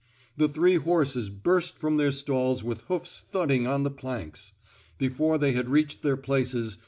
The three horses burst from their stalls with hoofs thudding on the planks. Before they had reached their places.